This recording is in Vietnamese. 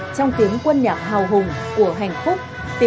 trong tiếng quân nhạc hào hùng của hạnh phúc